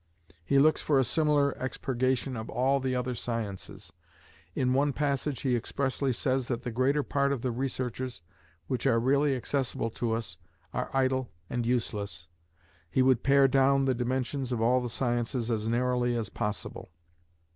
He looks for a similar expurgation of all the other sciences. In one passage he expressly says that the greater part of the researches which are really accessible to us are idle and useless. He would pare down the dimensions of all the sciences as narrowly as possible.